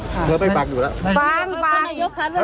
เมื่อที่คุณชุวีทพาดพินถือ